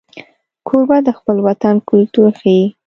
کوربه د خپل وطن کلتور ښيي.